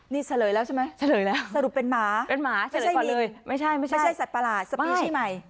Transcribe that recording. นี่เฉลยแล้วใช่ไหมเฉลยแล้วสรุปเป็นหมาไม่ใช่วินไม่ใช่สัตว์ประหลาดสะพีชี่ใหม่